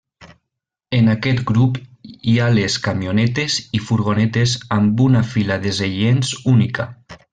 En aquest grup hi ha les camionetes i furgonetes amb una fila de seients única.